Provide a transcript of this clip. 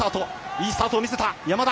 いいスタートを見せた、山田。